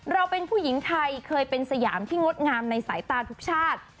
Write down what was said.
เราเป็นผู้หญิงไทยเคยเป็นสยามที่งดงามในสายตาทุกชาติ